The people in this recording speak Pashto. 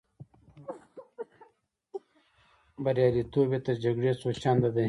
بریالیتوب یې تر جګړې څو چنده دی.